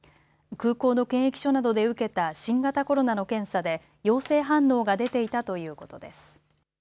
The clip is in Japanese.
空港の検疫所などで受けた新型コロナの検査で陽性反応が出ていたということです。